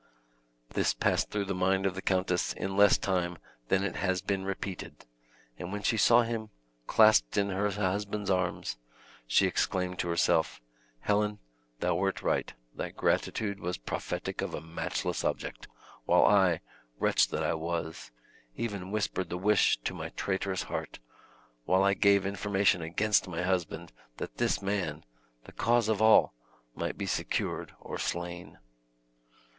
This passed through the mind of the countess in less time than it has been repeated, and when she saw him clasped in her husband's arms, she exclaimed to herself, "Helen, thou wert right; thy gratitude was prophetic of a matchless object, while I, wretch that I was, even whispered the wish to my traitorous heart, while I gave information against my husband, that this man, the cause of all, might be secured or slain!"